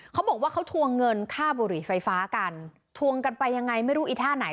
เขาบอกว่าเขาทวงเงินค่าบุหรี่ไฟฟ้ากันทวงกันไปยังไงไม่รู้อีท่าไหน